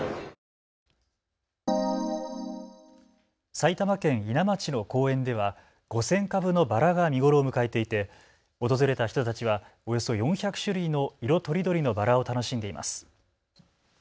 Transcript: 埼玉県伊奈町の公園では５０００株のバラが見頃を迎えていて訪れた人たちはおよそ４００種類の色とりどりのバラを楽しんでいます。